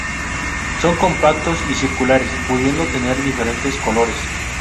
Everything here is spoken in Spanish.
Son compactos y circulares, pudiendo tener diferentes colores.